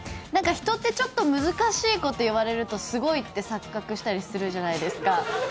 人ってちょっと難しいこと言われると、すごいって錯覚するじゃないですか。